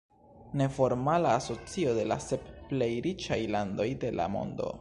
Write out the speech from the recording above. Neformala asocio de la sep plej riĉaj landoj de la mondo.